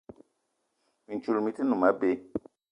Mintchoul mi-te noum abé.